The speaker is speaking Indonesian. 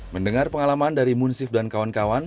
mendengar pengalaman dari munsif dan kawan kawan